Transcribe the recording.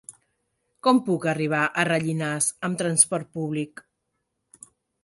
Com puc arribar a Rellinars amb trasport públic?